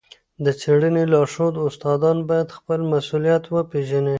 د څېړني لارښود استادان باید خپل مسؤلیت وپېژني.